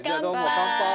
乾杯！